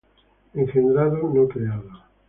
engendrado, no creado,